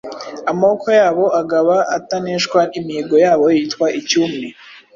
Amaboko yabo agaba ataneshwa Imihigo yabo yitwa « icy'umwe »